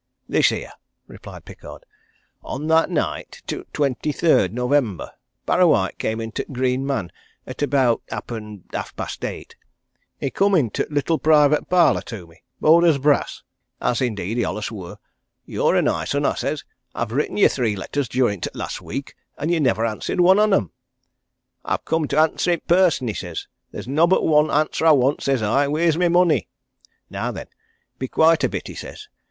"This here," replied Pickard. "On that night t' twenty third November Parrawhite came into t' Green Man at about, happen, half past eight. He come into t' little private parlour to me, bold as brass as indeed, he allers wor. 'Ye're a nice un!' I says. 'I've written yer three letters durin' t' last week, and ye've nivver answered one o' 'em!' 'I've come to answer i' person,' he says. 'There's nobbut one answer I want,' says I. 'Wheer's my money?' 'Now then, be quiet a bit,' he says.